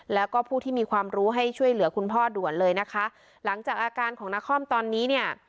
แล้วก็ผู้ที่มีความรู้ให้ช่วยเหลือคุณพ่อด่วนเลยนะคะหลังจากอาการของนครตอนนี้เนี่ย